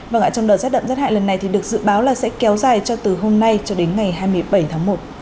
vâng ạ trong đợt rét đậm rét hại lần này thì được dự báo là sẽ kéo dài cho từ hôm nay cho đến ngày hai mươi bảy tháng một